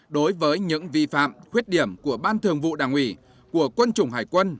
đối với những vi phạm khuyết điểm của ban thường vụ đảng ủy của quân chủng hải quân